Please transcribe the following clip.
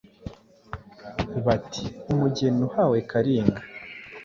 Bati :umugeni uhawe Kalinga